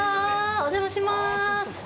お邪魔します。